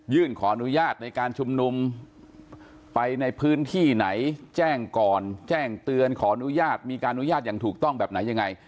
ขออนุญาตในการชุมนุมไปในพื้นที่ไหนแจ้งก่อนแจ้งเตือนขออนุญาตมีการอนุญาตอย่างถูกต้องแบบไหนยังไง